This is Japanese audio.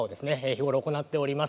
日頃行っております